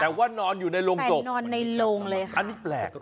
แต่ว่านอนอยู่ในโรงศพนอนในโรงเลยค่ะอันนี้แปลก